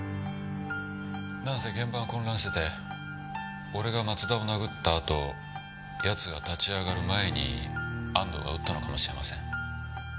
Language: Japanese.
なんせ現場は混乱してて俺が松田を殴った後やつが立ち上がる前に安堂が撃ったのかもしれません。